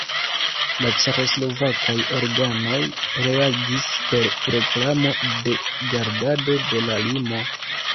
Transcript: La ĉeĥoslovakaj organoj reagis per proklamo de gardado de la limo.